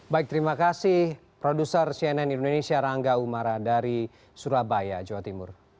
baik terima kasih produser cnn indonesia rangga umara dari surabaya jawa timur